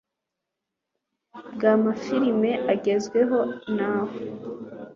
bwamafilme agezweho naho